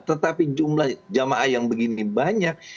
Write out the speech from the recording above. tetapi jumlah jamaah yang begini banyak